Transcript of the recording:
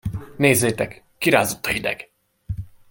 Nézzétek, kirázott a hideg!